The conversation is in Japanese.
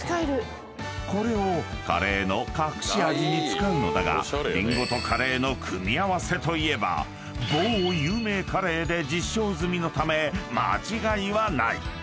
［これをカレーの隠し味に使うのだがりんごとカレーの組み合わせといえば某有名カレーで実証済みのため間違いはない］